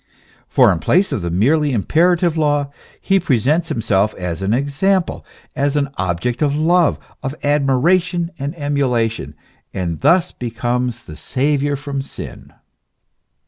For in place of the merely imperative law, he presents himself as an example, as an object of love, of admiration and emulation, and thus becomes the Saviour from sin.